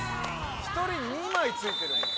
１人２枚ついてるもん。